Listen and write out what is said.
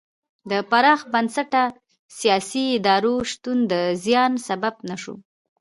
د پراخ بنسټه سیاسي ادارو شتون د زیان سبب نه شو.